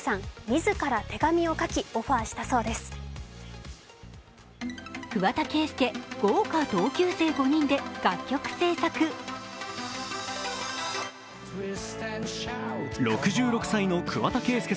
自ら手紙を書きオファーしたそうです。